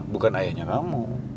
bukan ayahnya kamu